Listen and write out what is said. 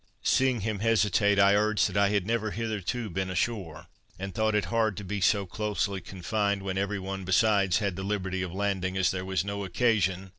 Seeing him hesitate, I urged that I had never hitherto been ashore, and thought it hard to be so closely confined, when every one besides had the liberty of landing as there was occasion.